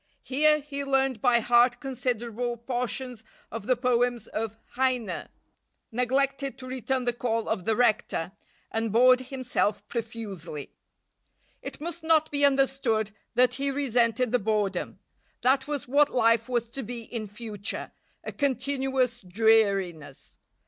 Here he learned by heart considerable portions of the poems of Heine, neglected to return the call of the rector, and bored himself profusely. It must not be understood that he resented the boredom. That was what life was to be in future, a continuous dreariness.